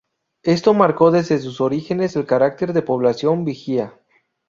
Esto marcó desde sus orígenes el carácter de población vigía.